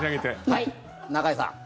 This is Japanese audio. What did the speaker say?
はい、中居さん。